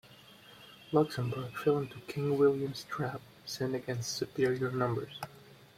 Luxemburg fell into King William's trap set against superior numbers.